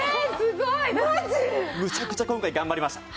むちゃくちゃ今回頑張りました。